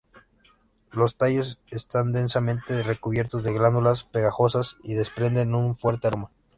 Los tallos están densamente recubiertos de glándulas pegajosas y desprenden un fuerte aroma.